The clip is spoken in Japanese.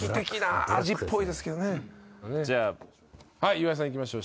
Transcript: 岩井さんいきましょう。